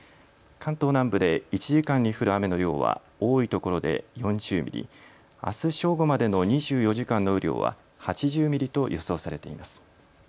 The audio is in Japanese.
関東南部で１時間に降る雨の量は多いところで４０ミリ、あす正午までの２４時間の雨量は８０ミリと予想されています。